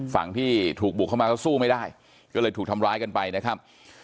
ฝั่งที่ถูกบุกเข้ามาก็สู้ไม่ได้ก็เลยถูกทำร้ายกันไปนะครับ